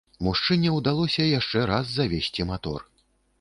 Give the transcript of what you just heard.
Мужчыне ўдалося яшчэ раз завесці матор.